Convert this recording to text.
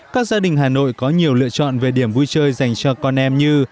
các gia đình hà nội có nhiều lựa chọn về điểm vui chơi dành cho con em như